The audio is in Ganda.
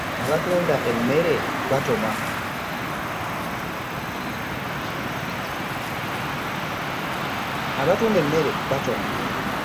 Abatunda emmere batoma.